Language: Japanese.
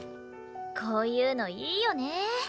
こういうのいいよね。